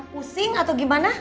pusing atau gimana